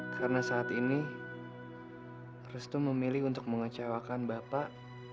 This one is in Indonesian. karena saat ini restu memilih untuk mengecewakan bapak